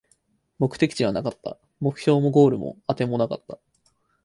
目的地はなかった、目標もゴールもあてもなかった